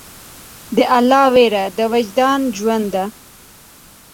د الله ویره د وجدان ژوند ده.